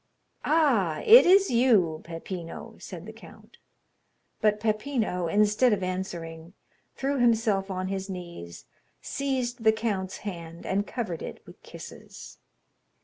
"Ah, it is you, Peppino," said the count. But Peppino, instead of answering, threw himself on his knees, seized the count's hand, and covered it with kisses.